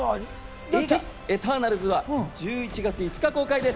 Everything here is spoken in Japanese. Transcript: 映画『エターナルズ』は１１月５日公開です。